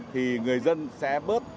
thì người dân sẽ bớt